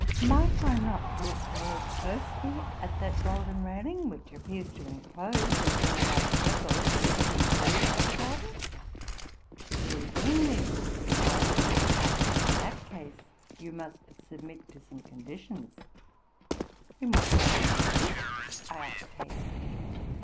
Might I not look more closely at that golden railing, which appears to enclose in a very wide circle the interior of the garden? ''?—'* Very willingly,'' replied he, '' but in that case you must submit to some conditions.'' —'' In what do they consist? "' Tasked hastily.